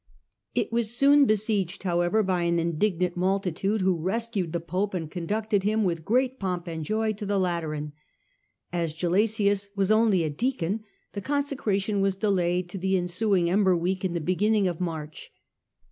It was soon besieged, however, by an indignant multitude, who rescued the pope and conducted him with great pomp and joy to the Lateran. As Gelasius was only a deacon the consecration was delayed to the ensu ing Ember week in the beginning of March.